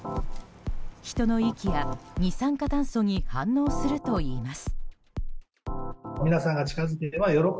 人の息や二酸化炭素に反応するといいます。